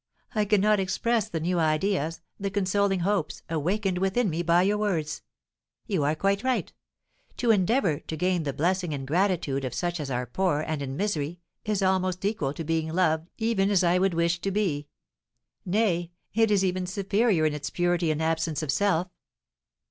I cannot express the new ideas, the consoling hopes, awakened within me by your words. You are quite right; to endeavour to gain the blessing and gratitude of such as are poor and in misery is almost equal to being loved even as I would wish to be; nay, it is even superior in its purity and absence of self.